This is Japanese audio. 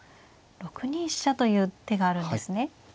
６二飛車という手があるんですね。